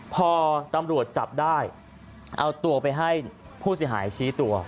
พอตำรวจจับได้เอาตัวไปให้ผู้เสียหายชี้ตัว